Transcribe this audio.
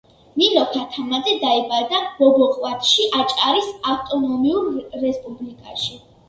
ნინო ქათამაძე დაიბადა ბობოყვათში, აჭარის ავტონომიურ რესპუბლიკაში.